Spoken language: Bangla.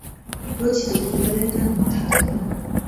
রোজ দুপুরবেলায় তাঁর মাথা ধরে।